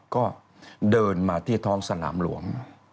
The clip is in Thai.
ก็เดินมาที่ท้องสนามหลวง